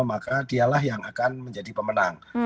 bukan menjadi pemenang